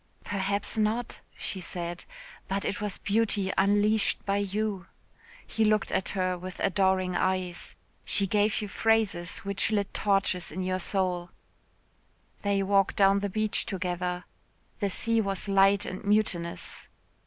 "Perhaps not," she said, "but it was beauty unleashed by you." He looked at her with adoring eyes. She gave you phrases which lit torches in your soul. They walked down the beach together. The sea was light and mutinous.